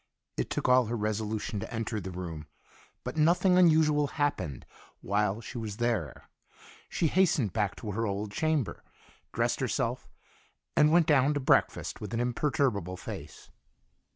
It took all her resolution to enter the room, but nothing unusual happened while she was there. She hastened back to her old chamber, dressed herself and went down to breakfast with an imperturbable face.